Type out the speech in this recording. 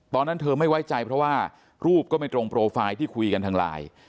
ตอนนั้นเธอไม่ไว้ใจเพราะว่ารูปก็ไม่ตรงโปรไฟล์ที่คุยกันทางไลน์